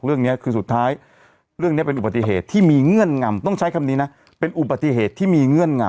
เรื่องนี้คือสุดท้ายเรื่องนี้เป็นอุบัติเหตุที่มีเงื่อนงำต้องใช้คำนี้นะเป็นอุบัติเหตุที่มีเงื่อนงำ